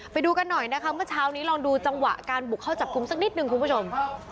ไปดูกันหน่อยนะคะเมื่อเช้านี้ลองดูจังหวะการบุกเข้าจับกลุ่มสักนิดนึงคุณผู้ชม